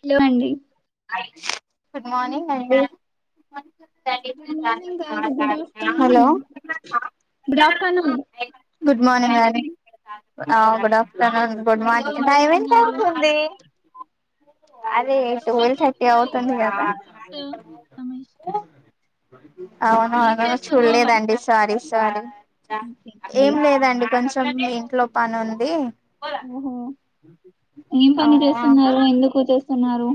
Hello అండి good morning అండి good morning గాదు good hello afternoon good afternoon నే ఆ బాగున్నారాండి ఆ గుడ్ ఆఫ్టర్నూన్ గుడ్ ఏం మార్నింగ్ టైమ్ చేస్తున్నారు ఎంతవుతుంది అదే twelve twelve twenty thirty five అవుతుంది గదా ట్వంటీ సిక్స్ రమేష్ ఏం ఔనౌను చేస్తున్నారు చూల్లేదండి సారీ సారీ ఓకే. ఏం లేదండి కొంచెం చెం ఇంట్లో పనుంది. ఓహో ఏం ఆ పని జేస్తున్నారు ఎందుకు జేస్ తున్నారు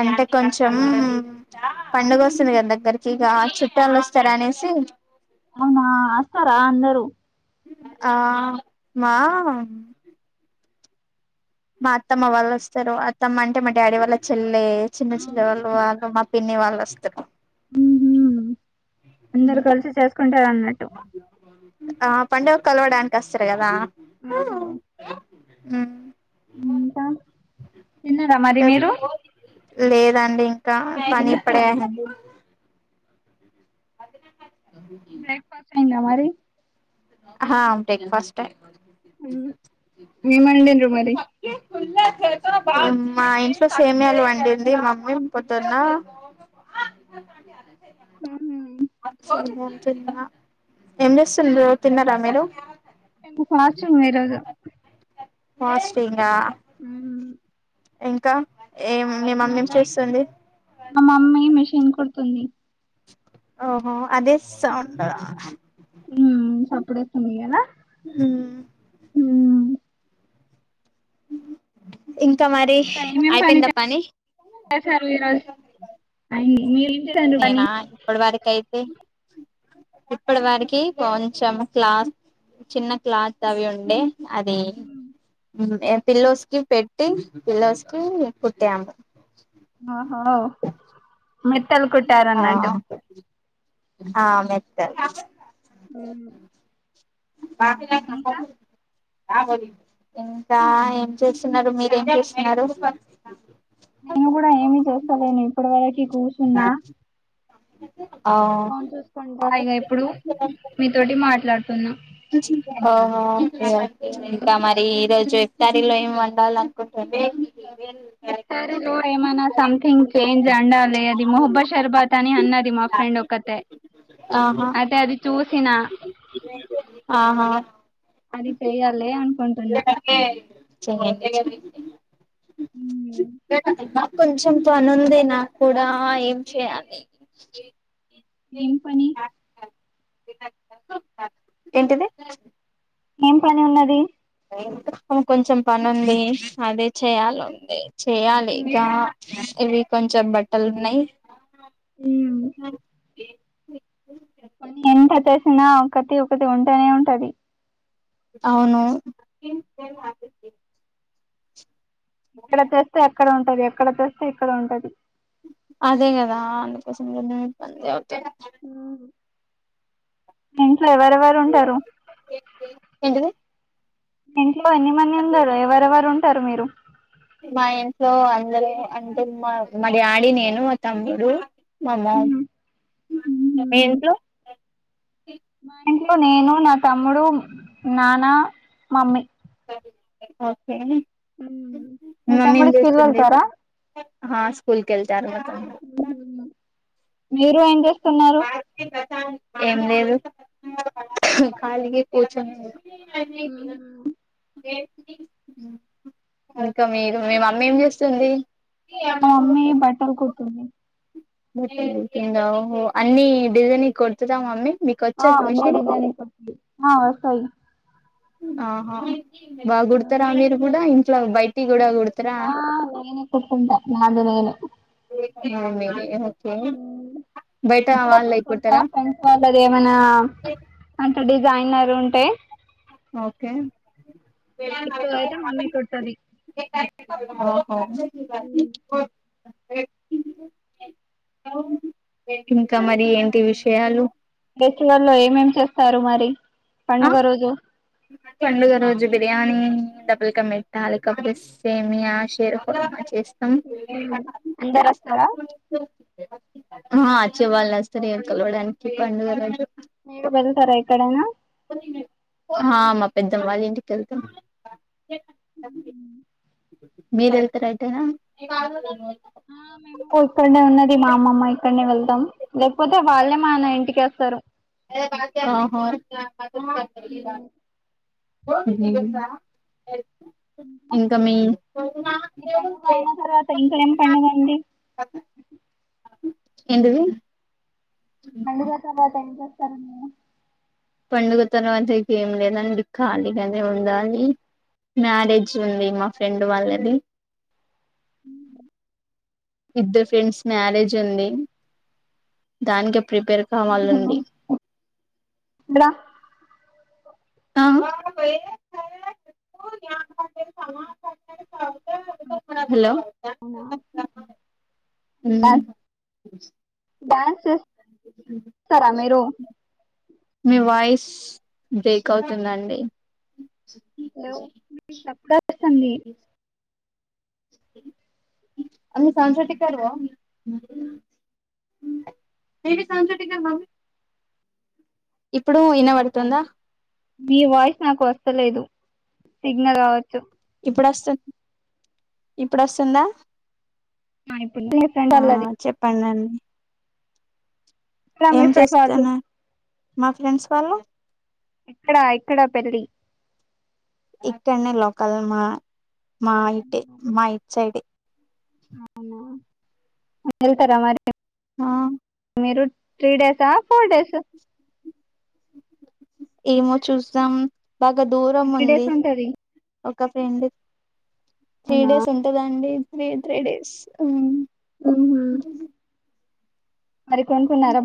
అంటే కొంచెం పండుగొస్తుంది గద దగ్గరకి ఇక చుట్టాలొస్తారనేసి సి అవునా అస్తరా అందరూ ఆ మా మా అత్తమ్మ వాళ్ళొస్తరు అత్తమ్మ అంటే మా డాడీ వాళ్ళ చెల్లె చిన్న చెల్లె వాళ్ళు వాళ్ళు మ పిన్ని వాళ్ళోస్తరు అందరు కలిసి సేస్కుంటారు అన్నట్టు ఆ పండుగక్ కలవడానికి అస్తరు కదా ఉమ్ ఉమ్ ఇంకా తిన్నరా మరి మీరు లేదండి ఇంకా పని ఎందుకు ఇప్పుడే అయిందండి బ్రేక్ ఫాస్ట్ అయిందా మరి అహా ఔట్ ఐన ఫస్ట్ టైమ్ మ్ ఏం అండిన్రు మరి మా ఇంట్లో సేమ్యాలు వండింది మమ్మీ పొద్దున్న ఉహూ అన్నం తిన్న ఏం చేస్తున్రు తిన్నారా మీరు మేము ఫాస్టింగ్ ఈరోజు ఫాస్టింగా మ్ మ్ ఇంకా ఏం మీ మమ్మీ ఏం ఇంకా చేస్తుంది మా మమ్మీ మిషిన్ కుడ్తుంది. ఓహో అదే సౌండా ఇప్పుడే కొనియాలా మ్ ఇంకా మరి అయిపోయింద పని. అయి ఈ నేనా ఇప్పట్ వరకైతే ఇప్పట్ వరికి కొంచెం క్లాత్ చిన్న క్లాత్ అవి ఉండే అదీ మ్ ఏం పిల్లోస్కి పెట్టి పిల్లోస్కి కుట్టాము. మెత్తల్ ఆ కుట్టారన్నట్టు. ఆ మెత్త. మ్మ్ ఇంకా ఇంకా ఏం చేస్తున్నారు మీరేం చేస్తున్నరు. నేను గూడా ఏమీ చేస్తలేను ఇప్పటివరకి కూర్చున్నా. [inaudible] ఫోన్ చూస్కుంటా ఇగ ఇప్పుడు మీతోటి మాట్లాడ్ ఆహా ఇగ ఇంకా మరి ఈరోజు కర్రీలో ఏం వండాలన్కుంటుం ఇఫ్తారులో ఏమనా సంథింగ్ చేంజ్ అండాలే అది మొహబ్బ షర్బాత్ అని అన్నది మాఫ్ ఫ్రెండ్ ఒక్కతే ఆహా అయితే అది చూసిన ఆహా అది చెయ్యాలి అనుకుంటున్నా చేయండి. కొంచం పనుంది నాక్కూడా ఏం చేయాలి. ఏం పని? ఏంటిది? ఏం పని ఉన్నది. ఇంకొంచం పనుంది అదే చెయాలుంది. చేయాలిగా ఇవి కొంచెం బట్టలున్నయి. ఎంత చేసినా ఒకటి ఒకటి ఉంటనే ఉంటది. అవును. ఇక్కడ చేస్తే అక్కడ ఉంటది అక్కడ చేస్తే ఇక్కడ ఉంటది. అదే గదా అందుకోసమే మేం ఇబ్బంది పడుతున్నం. ఇంట్లో ఎవరెవరుంటరు? ఏంటిది ఇంట్లో ఎన్ని మంది ఉన్నరు ఎవరెవరుంటరు మీరు. మా ఇంట్లో అందరు అంటే మా మా డాడీ, నేను మా తమ్ముడు మా మామ్ మీ ఇంట్లో మా ఇంట్లో నేను, నా తమ్ముడు, నాన్న, మమ్మీ. ఓకే మీ మమ్మీ ఏం తమ్ముడు స్కూల్ చేస్తుంది. వెళ్తారా హా స్కూల్కెల్తాన్లు. మీరు ఏం చేస్తున్నారు? ఏం లేదు ఖాలిగే కూర్చున్న హు హుమ్ ఇంకా మీరు మీ మమ్మీ ఏం చేస్తుంది. మా మమ్మీ బట్టల్ కుడ్తుంది. దఓహో అన్ని డిజైని కొడుతుదా మమ్మీ మీకు వచ్చా ఆ అన్ని మిషన్ డిజైనింగ్ ఒస్తది ఆ వస్తాయి ఆహా బా కూడతారా మీరు కూడా ఇంట్లో బయటి కూడ కూడతారా, ఆ నేనే కుట్టుకుంటా నాది నేనే ఆ ఉ అప్పుడప్పుడు కుడతా ఫ్రెండ్స్ వాళ్ళది ఏమన్నా అంటే డిజైనర్ ఉ ఒకే [unintelligible] ఎక్కువ అయితే మమ్మీ కుడుతది [unintelligible] ఇంకా మరి ఏంటి విషయాలు ఫెస్టివల్లో ఏమేం చేస్తారు మరి ఆ పండుగ రోజు పండుగ రోజు బిర్యానీ డబుల్కమీట లేకపోతే సేమియా, షేర్కుర్మా చేసి ఉ అందరూ వస్తారా ఆ ఆచ్చే వాళ్ళుస్తారు ఉగాగూడనుచి పండుగలక్ మీరు వెళ్తారా ఎక్కడైనా హ మా పెద్దమ్మ వాళ్ళ ఇంటికి వెళ్తాం ఉ మీరు ఏళ్తారా ఎటైనా ఆ మేము ఇక్కడనే ఉన్నది, మా అమ్మమ్మ ఇక్కడనే వెళ్దాం, లేకపోతే వాళ్ళే మాన ఇంటికి వస్త ఓహో ఇంక మీ ఈ పండుగ అయిన తర్వాత ఇంకా ఏం పండుగ ఉంది ఎంటిది పండుగ తర్వాత ఎం చేస్తారు మీరు పండుగ తర్వాత ఇక ఏం లేదండి ఖాళీగానే ఉండాలి మ్యారేజ్ ఉంది. మా ఫ్రెండ్ వాళ్ళది ఇద్దర్ ఫ్రెండ్స్ మ్యారేజ్ ఉంది దానికి ప్రిపేర్ కావలండి గ్రా హ హలో అవునా ఉమ్ డ డాన్స్ సరా మీరు మీ వాయిస్ బ్రేక్ అవుతుందండి. హలో మీ సప్తసాంగి అందు సంస్కృతికరువ ఏది సమ్ సిటీకమ్ ఇప్పుడు ఇన్నబడుతుందా మీ వాయిస్ నాకు వస్తలేదు సిగ్నల్ కావచ్చు ఇప్పుడు వస్త్ ఇప్పుడు వస్తుందా ఆ ఇప్పుడు ఫ్రెండ్ ఆ అల్లది చెప్పండిండి ఇక్కడ ఏం మీ ఫ్రెండ్ వాళ్ళు చేస్తన్నా మా ఫ్రెండ్స్ వాళ్ళు ఎక్కడా ఎక్కడ పెళ్ళి ఇక్కడనే లోకల్ మా మా ఇటే మా ఇట్ సైడ్ ఏ అవునా వెళ్తారా మరి ఆ మీరు త్రీ డేస్ ఆ ఫైవ్ డేస్ అ ఏమో చూస్తాం బాగా దూరం ఎన్ని ఉంది. డేస్ ఉంటది ఒక ఫ్రెండ్ త్రీ అవునా డేస్ ఉంటదండి త్రీ త్రీడేస్ ఉమ్ హుఉమ్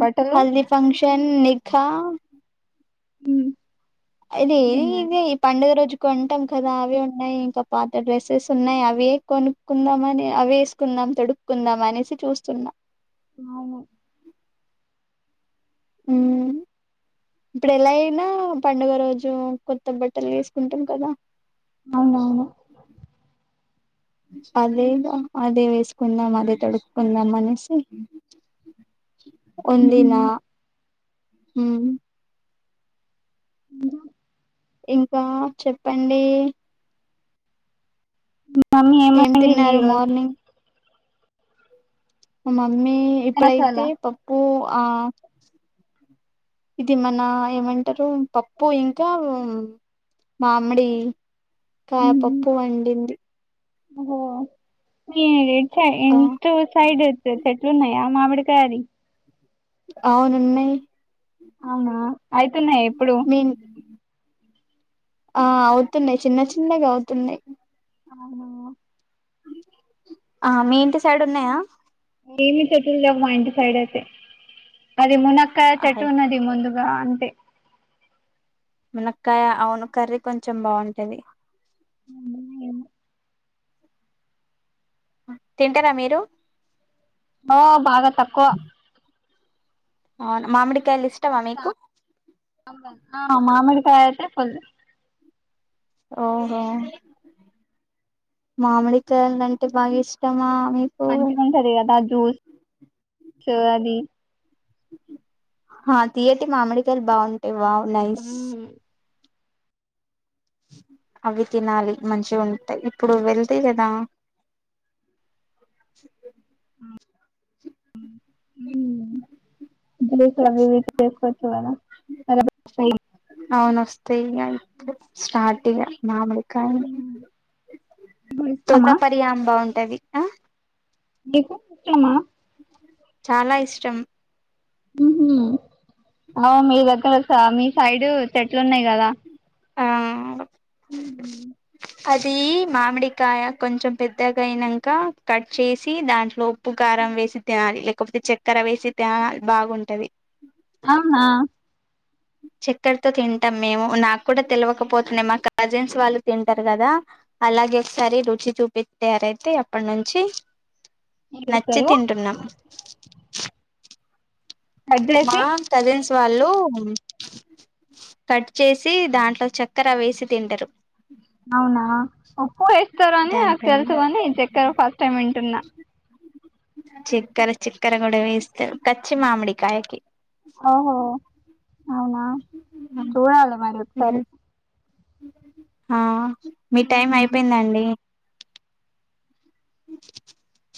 బట్టలు హల్ది ఫంక్షన్, నిఖా హ్మ్ అహ్ ఇదే ఈ పండుగ రోజు కొంటాం కదా అవి ఉన్నాయి ఇంకా పాత డ్రెస్సెస్ ఉన్నాయి అవి కొనుక్కుందాం అని అవేసుకున్నా అం తొడుక్కుందాం అనేసి చూస్తున్న అవును మ్మ్ ఇప్పుడు ఎలా అయినా పండుగ రోజు కొత్త బట్టలు వేస్కుంటాంకదా అవునవును అదే ఇంగ అదే వేసుకుందాం అదే తొడుక్కుందాం అనేసి ఉంది నా మ్మ్ ఉమ్మ్ ఉమ్ ఇంకా చెప్పండీ మమ్మీ ఏం ఎంవండింది తిన్నారు ఈరోజు మార్నింగ్ మా మమ్మీ చికెన్ ఇప్పుడైతే మసాలా పప్పు ఆ ఇది మన ఏమంటారు పప్పు ఇంకా మామిడి కాయ పప్పు వండింది ఒహో మీసైడ్ ఆ ఇంటిసైడ్ చెట్లున్నాయా మామిడి కెరి అవునున్నయి అవునా ఐతున్నాయా ఇప్పుడు మీ ఆ అవుతున్నాయి చిన్న చిన్నగా అవుతున్నాయి అవునా ఆ మీ ఇంటి సైడ్ ఉన్నయా ఏమి చెట్టులు లేవు మా ఇంటి సైడ్ అయితే అది మునక్కయ్ చెట్టు అహయ్ ఉన్నది ముందు అంతే మునక్కాయ అవును కర్రీ కొంచెం బావుంటది హ్మ్ తింటరా మీరు ఓ బాగా తక్కువ అవును మామిడికాయల్ ఇష్టమా మీకు అ మామిడికాయైతే ఫుల్ ఓహో మామిడికాయల్ అంటే బాగా ఇష్టమా మీకు మంచిగుంటది కదా జూస్స్ అది హా తియ్యటి మామిడికాయాలు బావుంటయి వావ్ నైస్ ఉమ్ అవి తినాలి మంచిగుంటయ్ ఇప్పుడు వెళ్తే గదా హ్మ్మ్ ఇప్పుడు కర్రీ వి చేసుకోవచ్చు కదా అవును వస్తే ఇగ ఇపుడు స్టార్ట్ ఇగ మామీడీ కానీ హ్మ్. ఇప్పుడు తోట ఇస్తామా పరిహం బావుంటది నీకు ఇష్టమేనా చాలా ఇష్టం ఉహు అవున్ మీ దగ్గర సామీ సైడ్ చెట్లున్నాయి గదా. ఆ ఉహు అది మామిడికాయ కొంచెం పెద్దగయినంక కట్ చేసి దాంట్లో ఉప్పు కారం వేసి తినాలి లేకపోతే చెక్కెర వేసి తినాలి బాగుంటది. ఔనా చక్కర్తో తింట్టం మేము నాకు కూడా తెలివకపోతుండే మా కాజన్స్ వాళ్ళు తింటారు కదా అలాగే ఒకసారీ రుచి చూపి తయారైతే అప్పట్ నుంచి ఏం నచ్చి చేస్తారు తింటున్నం కట్ చేసి మా కజిన్స్ వాళ్ళు కట్ చేసి దాంట్లో చక్కర వేసి తింటరు. అవునా పప్పు ఏస్తరు అని నాకు దానిపైన తెలుసు గాని ఈ చెక్కర ఫస్ట్ టైమ్ వింటున్న. చిక్కెర చిక్కెర గుడ వేస్తరు పచ్చి మామిడికాయకి. ఓహో అవునా చూడాలి మరి ఒక్సారి ఆ మి టైం ఉమ్ అయిపోయిందండి? [unintelligible]